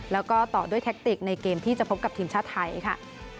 แล้วก็ต่อด้วยแทคติกในเกมที่จะพบกับทีมชาติไทยค่ะ